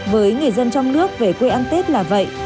với người dân trong nước về quê ăn tết là vậy